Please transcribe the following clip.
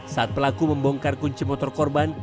saat pelaku membongkar kunci motor korban